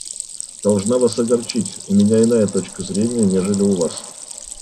Должна Вас огорчить, у меня иная точка зрения, нежели у Вас.